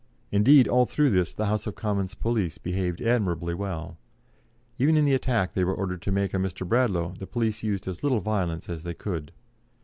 Indeed, all through this, the House of Commons police behaved admirably well. Even in the attack they were ordered to make on Mr. Bradlaugh, the police used as little violence as they could.